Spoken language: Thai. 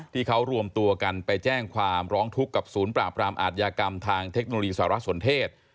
ที่เขารวมตัวกันไปแจ้งความร้องทุกข์กับศูนย์ปราบรามอาทยากรรมทางเทคโนโลยีสารสนเทศ